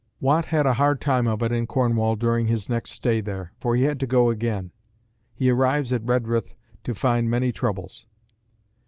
Watt had a hard time of it in Cornwall during his next stay there, for he had to go again. He arrives at Redruth to find many troubles.